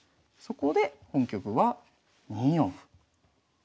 そこで本局は２四歩。